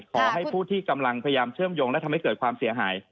ขอให้ผู้ที่กำลังพยายามเชื่อมโยงและทำให้เกิดความเสียหาย